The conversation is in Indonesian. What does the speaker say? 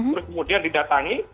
terus kemudian didatangi